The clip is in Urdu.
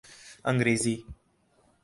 انگریزی